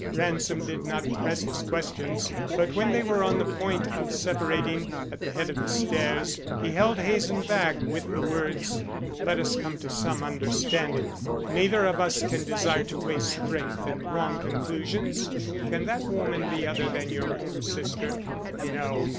Ransom did not press his questions, but when they were on the point of separating at the head of the stairs, he held Hazen back with the words: "Let us come to some understanding. Neither of us can desire to waste strength in wrong conclusions. Can that woman be other than your own sister?" "No."